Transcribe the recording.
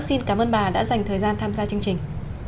xin cảm ơn bà đã dành thời gian tham gia chương trình